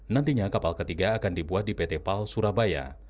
nantinya kapal ketiga akan dibuat di pt pal surabaya